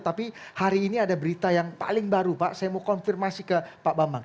tapi hari ini ada berita yang paling baru pak saya mau konfirmasi ke pak bambang